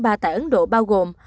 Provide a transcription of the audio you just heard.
tại ấn độ bao gồm